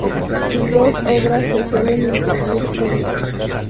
Las dos obras se suelen imprimir juntas.